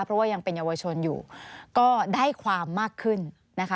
เพราะว่ายังเป็นเยาวชนอยู่ก็ได้ความมากขึ้นนะคะ